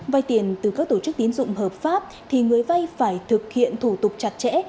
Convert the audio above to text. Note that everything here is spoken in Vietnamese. vay tiền từ các tổ chức tín dụng hợp pháp thì người vay phải thực hiện thủ tục chặt chẽ